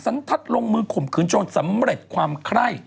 ทัศน์ลงมือข่มขืนจนสำเร็จความไคร่